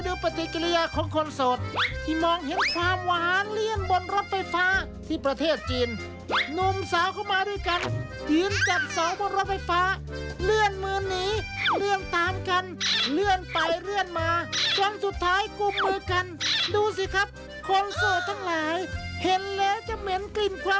รักยังไงกันบ้างโอ้ยโอ้ยโอ้ยมีเสารถไฟฟ้าเป็นพยานรักเนาะ